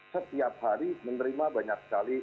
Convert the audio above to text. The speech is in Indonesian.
setiap hari menerima banyak sekali